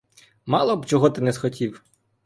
Мало б чого ти не схотів!